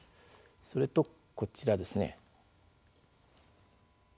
それと、こちらですね。